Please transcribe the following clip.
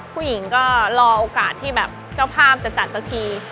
ผู้หญิงก็รอโอกาสที่แบบเจ้าภาพจะจัดสักที